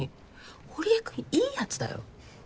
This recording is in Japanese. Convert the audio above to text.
堀江君いい奴だよ